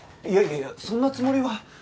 いやいやいやそんなつもりは。